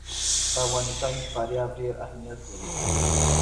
په افغانستان کې فاریاب ډېر اهمیت لري.